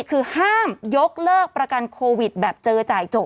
คือห้ามยกเลิกประกันโควิดแบบเจอจ่ายจบ